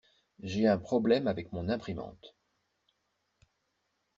J'ai un problème avec mon imprimante.